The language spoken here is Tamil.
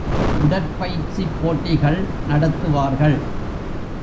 உடற்பயிற்சிப் போட்டிகள் நடத்துவார்கள்.